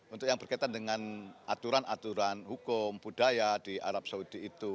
untuk yang berkaitan dengan aturan aturan hukum budaya di arab saudi itu